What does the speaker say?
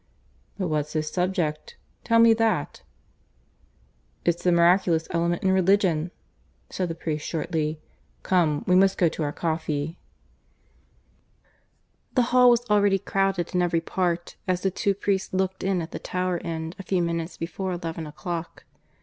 "But what's his subject? Tell me that." "It's the miraculous element in religion," said the priest shortly. "Come, we must go to our coffee." (III) The hall was already crowded in every part as the two priests looked in at the lower end a few minutes before eleven o'clock.